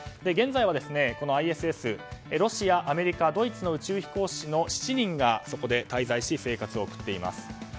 現在は、ＩＳＳにロシア、アメリカドイツの宇宙飛行士の７人が、そこで滞在し生活を送っています。